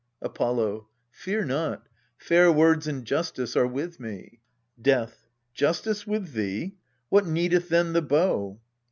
Apollo. Fear not : fair words and justice are with me. Death. Justice with thee! what needeth then the bow?